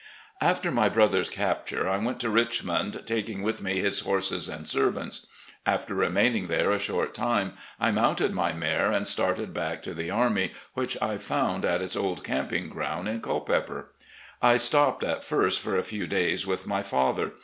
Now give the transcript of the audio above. After my brother's capture I went to Richmond, taking with me his horses and servants. After remaining there a short time, I mounted my mare and started back to the army, which I found at its old camping ground in Cul peper. I stopped at first for a few days with my father.